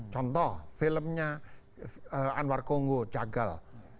contoh filmnya anwar kongo jagal